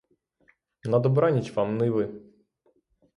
На добраніч вам, ниви.